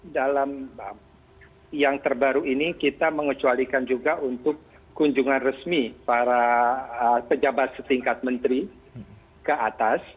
karena dalam yang terbaru ini kita mengecualikan juga untuk kunjungan resmi para pejabat setingkat menteri ke atas